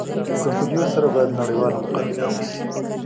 د پولیو سره باید نړیواله مقابله وسي